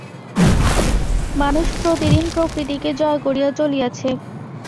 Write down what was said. মানুষ প্রতিদিন প্রকৃতিকে জয় করিয়া চলিয়াছে।